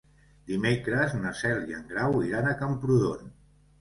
Dimecres na Cel i en Grau iran a Camprodon.